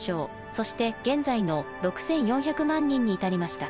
そして現在の６，４００万人に至りました。